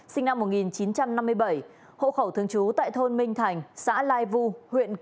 sinh năm một nghìn chín trăm năm mươi bảy hộ khẩu thương chú tại thôn minh thành xã lai vu huyện kim thu